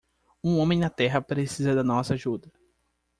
Um homem na terra precisa da nossa ajuda.